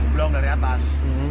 belom dari atas